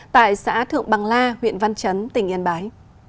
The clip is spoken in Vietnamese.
tại xã thượng bằng la huyện văn chấn tỉnh yên bái